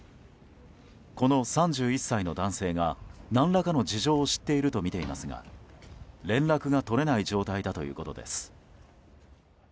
この３１歳の男性が何らかの事情を知っているとみていますが連絡が取れない状態だということです。